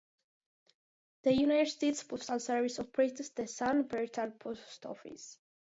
The United States Postal Service operates the San Perlita Post Office.